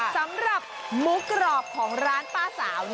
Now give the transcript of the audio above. สำหรับหมูกรอบของร้านป้าสาว